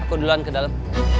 aku duluan ke dalam